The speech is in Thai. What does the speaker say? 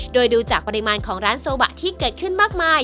โดยดูจากปริมาณของร้านโซบะที่เกิดขึ้นมากมาย